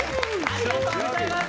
ありがとうございます。